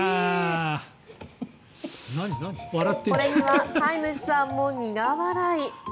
これには飼い主さんも苦笑い。